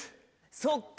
そっか！